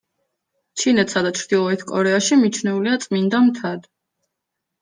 ჩინეთსა და ჩრდილოეთ კორეაში მიჩნეულია წმინდა მთად.